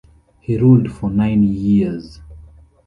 He ruled for nine years.